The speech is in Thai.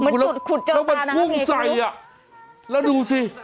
คุดเจอตาน้ำเฉยครึบแล้วมันพุ่งใส่แล้วดูสิ